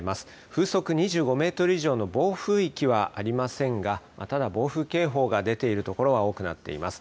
風速２５メートル以上の暴風域はありませんが、ただ、暴風警報が出ている所は多くなっています。